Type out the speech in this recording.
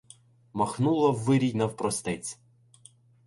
Махнула в вирій навпростець.